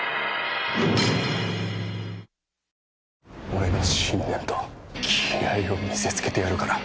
俺の信念と気合を見せつけてやるから。